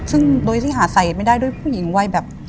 ซึ่งโดยที่หาใส่ไม่ได้ด้วยผู้หญิงวัยแบบ